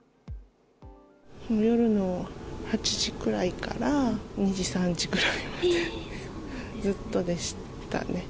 夜の８時くらいから２時、３時ぐらいまで、ずっとでしたね。